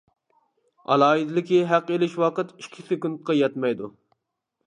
ئالاھىدىلىكى ھەق ئېلىش ۋاقىت ئىككى سېكۇنتقا يەتمەيدۇ.